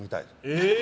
えっ！？